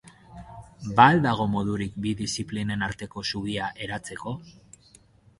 Ba al dago modurik bi diziplinen arteko zubia eratzeko?